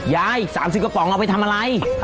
ยาย๓๐กระป๋องเอาไปทำอะไร